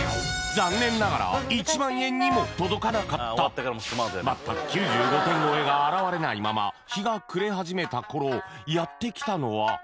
残念ながら１万円にも届かなかった全く９５点超えが現れないまま日が暮れ始めた頃フゥ！